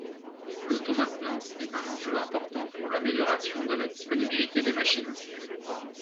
L'automaintenance est un enjeu important pour l'amélioration de la disponibilité des machines.